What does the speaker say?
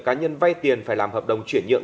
cá nhân vay tiền phải làm hợp đồng chuyển nhượng